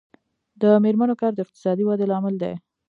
د میرمنو کار د اقتصادي ودې لامل دی.